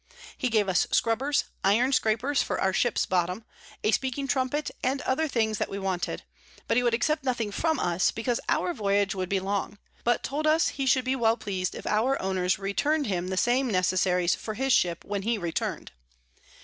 He gave us Scrubbers, Iron Scrapers for our Ships Bottom, a speaking Trumpet, and other things that we wanted: but he would accept nothing from us, because our Voyage would be long; but told us, he should be well pleas'd if our Owners return'd him the same Necessaries for his Ship when he return'd.